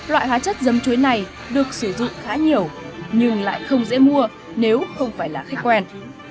loại hóa chất dấm chuối này được sử dụng khá nhiều nhưng lại không dễ mua nếu không phải là khách quen